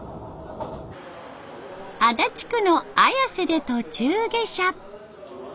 足立区の綾瀬で途中下車。